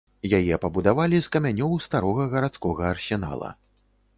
Яе пабудавалі з камянёў старога гарадскога арсенала.